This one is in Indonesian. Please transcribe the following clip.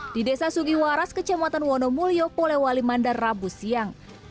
di desa sugiwaras kecamatan wonomulyo polewali mandar rabu siang